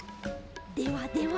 ではでは。